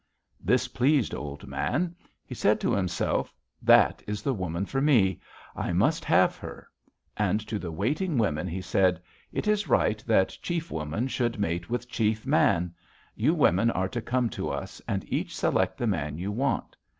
"This pleased Old Man. He said to himself, 'That is the woman for me. I must have her.' And to the waiting women he said: 'It is right that chief woman should mate with chief man. You women are to come to us, and each select the man you want.